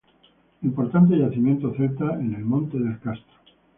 Importante yacimiento celta en el monte del castro.